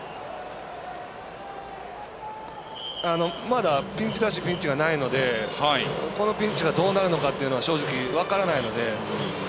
まだピンチらしいピンチがないのでこのピンチがどうなるのかというのは正直、分からないので。